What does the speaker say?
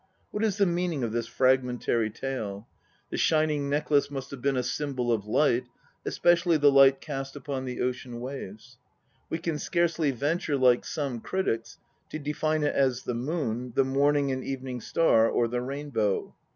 What is the meaning of this fragmentary tale ? The shining necklace must have been a symbol of light, especially the light cast upon the ocean waves. We can scarcely venture, like some critics, to define it as the moon, the morning and evening star, or the rainbow.